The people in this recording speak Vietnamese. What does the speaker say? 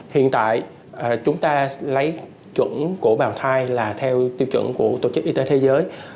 hiện tại chúng ta lấy chuẩn của bà thai là theo tiêu chuẩn của tổ chức y tế thế giới